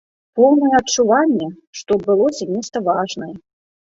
Поўнае адчуванне, што адбылося нешта важнае.